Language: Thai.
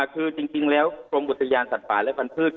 คือจริงแล้วกรมบุตรศัตริย์สัตว์ป่าและพันธุ์พืช